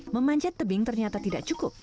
memanjat tebing ternyata tidak cukup